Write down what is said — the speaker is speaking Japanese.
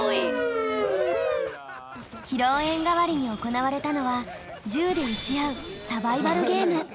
披露宴がわりに行われたのは銃で撃ち合うサバイバルゲーム。